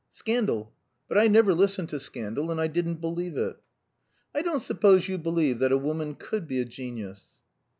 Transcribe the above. "Scandal. But I never listen to scandal, and I didn't believe it." "I don't suppose you believe that a woman could be a genius."